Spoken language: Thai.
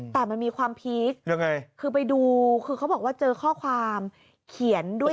แต่มันมีความพีคยังไงคือไปดูคือเขาบอกว่าเจอข้อความเขียนด้วย